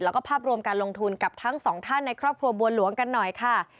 แล้วก็ภาพรวมการลงทุนกับทั้งสองท่านในครอบครัวบัวหลวงกันหน่อยค่ะ